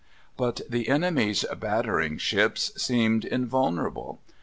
But the enemy's battering ships seemed invulnerable.